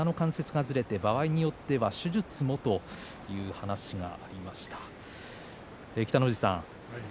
膝の関節がずれて場合によっては手術もという話をしていました。